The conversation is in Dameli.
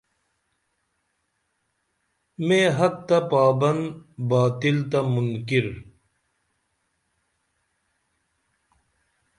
میں حق تہ پابند باطل تہ مُنکر